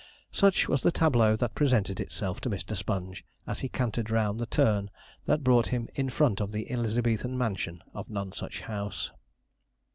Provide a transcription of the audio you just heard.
Such was the tableau that presented itself to Mr. Sponge as he cantered round the turn that brought him in front of the Elizabethan mansion of Nonsuch House.